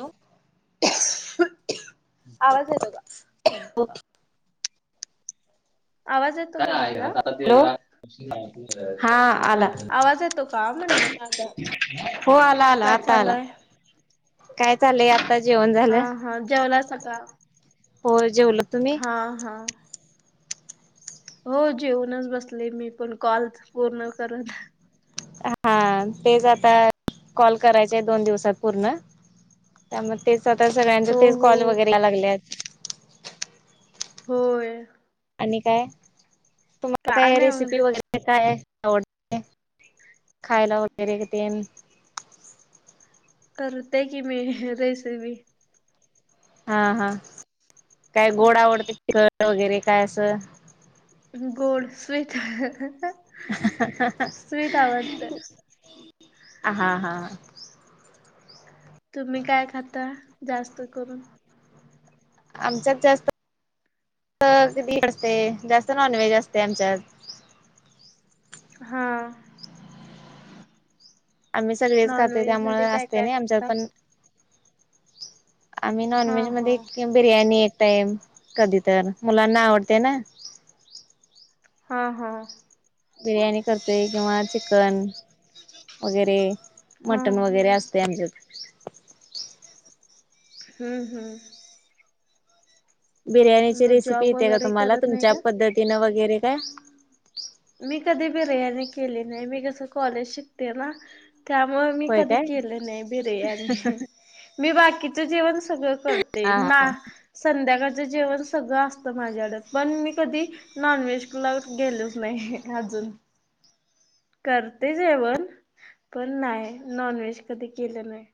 Hello [unintelligible] आवाज येतो का? ओके आवाज येतो काय का हाय माझा? आता ते हॅलो हा आला आवाज येतो का म्हणलं माझा हो आला आला काय आता चालू आला हाय? काय चालय? आता जेवण हा झालं. हा जेवलासा का? पोर जेवलं. हा हा हो जेऊनच बसले मी पण कॉल पूर्ण करत. हा तेच आता कॉल करायचेत दोन दिवसात पूर्ण त्यामुळे तेचं आता सगळ्यांचे हो तेच हो कॉल वगैरे याय लागल्यात. होय आणि काय? तुम्हाला काय नाही मग रेसिपी वगैरे काय आवडते खायला वगैरे तेन करत्या कि मी रेसिपी हा हा काय गोड आवडते [unintelligible] वगैरे काय असं गोड स्वीट स्वीट आवडतं. हा हा तुम्ही काय खाता जास्त करून? आमच्यात जास्त [unintelligible] जास्त नॉनव्हेज असते आमच्यात. हा आम्ही सगळेच खातोय नॉनव्हेज त्यामुळे मध्ये काय असतय काय नाही आमच्यात करता? पण आम्ही हा नॉनव्हेज हा मध्ये बिर्याणी एक टाइम कधी तर मुलांना आवडते ना हा हा बिर्याणी करतोय किंवा चिकन वगैरे हा मटण वगैरे हा असतय आमच्यात हम्म हम्म बिर्याणीची मग रेसिपी जॉब येत्या काय वगैरे तुम्हाला करत नाही तुमच्या का? पद्धतीनं वगैरे काय? मी कधी बिर्याणी केली नाही मी कसं कॉलेज शिकते ना त्यामुळे मी होय कधी काय केली नाही बिर्याणी मी बाकीच जेवण सगळं कर ते हा मा संध्याकाळचं जेवण सगळं असतं माझ्याकडं पण मी कधी नॉनव्हेज ला गेलो नाही अजून करते जेवण पण नाही नॉनव्हेज कधी केलं नाही.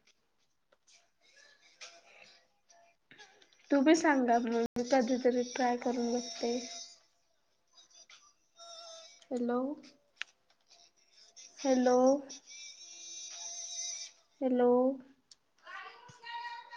तूम्ही सांगा मग कधीतरी ट्राय करून बघते. Hello hello hello